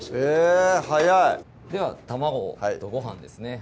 っ早いでは卵とご飯ですね